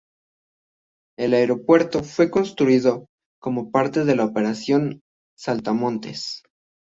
El aeropuerto fue construido como parte de la Operación Saltamontes.